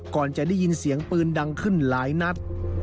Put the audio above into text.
ก่อนจะได้ยินเสียงปืนดังขึ้นหลายนัด